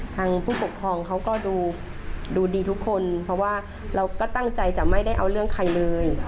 ผู้ปกครองเขาก็ดูดีทุกคนเพราะว่าเราก็ตั้งใจจะไม่ได้เอาเรื่องใครเลย